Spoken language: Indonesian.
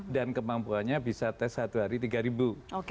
dan kemampuannya bisa tes satu hari tiga ribu